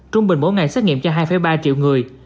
trung bình mỗi ngày xét nghiệm cho hai ba triệu người